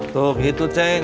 tuh gitu ceng